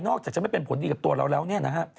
จะไม่เป็นผลดีกับตัวเราแล้วเนี่ยนะฮะ